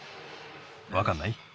わかんない？